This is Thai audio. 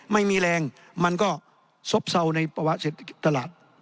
ไม่มีแรงมันก็ซบเซาในประวัติเศรษฐ์ตลาด